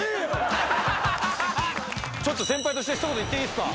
ちょっと先輩として一言言っていいっすか？